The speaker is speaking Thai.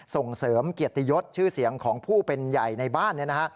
ส่งเสริมเกียรติยศชื่อเสียงของผู้เป็นใหญ่ในบ้าน